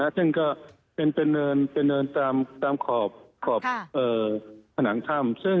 ซึ่งก็เป็นเนินตามขอบผนังถ้ำ